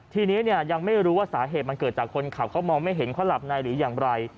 ทีนี้เนี่ยยังไม่รู้ว่าสาเหตุมันเกิดจากคนขับเขามองไม่เห็นเขาหลับในหรืออย่างไร